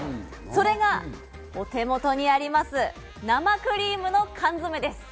それがお手元にあります、生クリームの缶詰です。